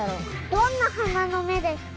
どんなはなのめですか？